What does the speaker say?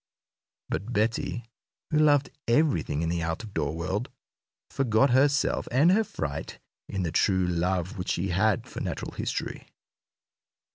But Betty, who loved everything in the out of door world, forgot herself and her fright in the true love which she had for natural history.